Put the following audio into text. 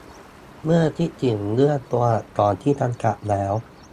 เมื่อคิดถึงเรื่องตัวอักษรที่จำกัดแล้ว